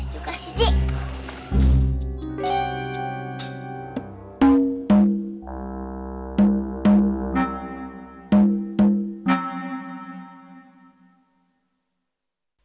yuk kasih dik